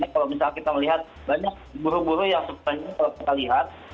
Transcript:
kalau misalnya kita melihat banyak buruh buruh yang sepertinya kalau kita lihat